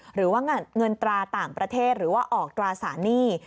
หรือว่าเงินตราต่างประเทศหรือว่าออกตราสารหนี้